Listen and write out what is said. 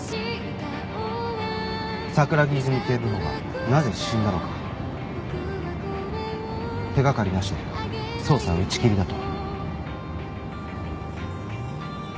桜木泉警部補がなぜ死んだのか手掛かりなしで捜査は打ち切りだと。